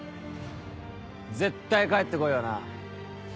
絶対帰ってこいよな。